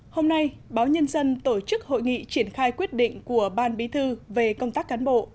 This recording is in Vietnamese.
hôm nay báo nhân dân tổ chức hội nghị triển khai quyết định của ban bí thư về công tác cán bộ